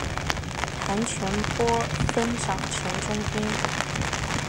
谭全播分掌城中兵。